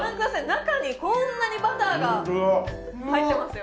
中にこんなにバターが入ってますよ